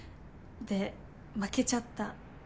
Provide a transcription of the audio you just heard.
で負けちゃった。